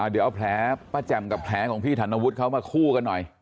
เดี๋ยวแผลประแจ่มและแผลพี่ธนวุฒิเค้ามาคู่กันหน่อย